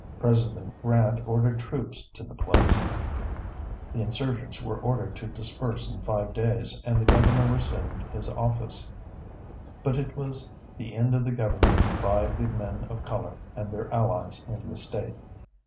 President Grant ordered troops to the place; the insurgents were ordered to disperse in five days, and the Governor resumed his office. But it was the end of the government by the men of color and their allies in the State.